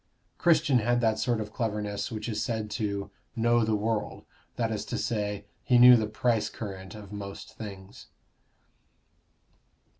Christian had that sort of cleverness which is said to "know the world" that is to say, he knew the price current of most things.